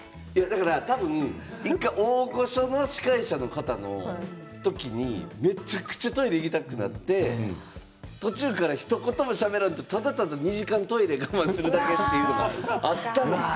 １回大御所の司会者の方の時にめちゃくちゃトイレに行きたくなって途中からひと言もしゃべらずただただ２時間トイレを我慢するだけというのがあったんです。